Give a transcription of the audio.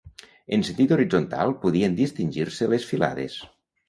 En sentit horitzontal podien distingir-se les filades.